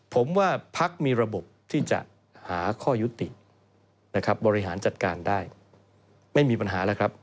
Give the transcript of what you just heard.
ผมว่าพักมีระบบที่จะหาข้อยุตินะครับบริหารจัดการได้ไม่มีปัญหาแล้วครับ